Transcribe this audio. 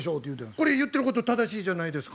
これ言ってること正しいじゃないですか。